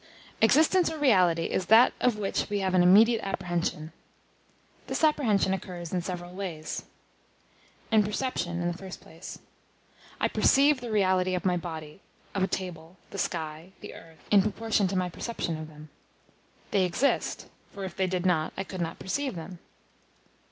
Existence or Reality is that of which we have an immediate apprehension. This apprehension occurs in several ways. In perception, in the first place. I perceive the reality of my body, of a table, the sky, the earth, in proportion to my perception of them. They exist, for if they did not, I could not perceive them.